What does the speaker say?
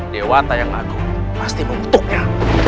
dewa tayang aku pasti mengutuknya